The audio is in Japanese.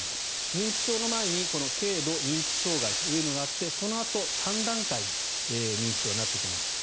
認知症の前に軽度認知障害というのがあってそのあと３段階認知症はなってきます。